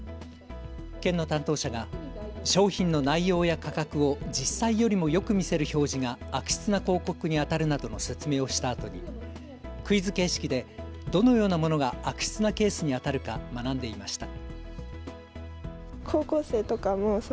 県の担当者が商品の内容や価格を実際よりもよく見せる表示が悪質な広告にあたるなどの説明をしたあとにクイズ形式でどのようなものが悪質なケースにあたるか学んでいました。